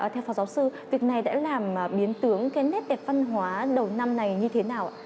theo phó giáo sư việc này đã làm biến tướng cái nét đẹp văn hóa đầu năm này như thế nào ạ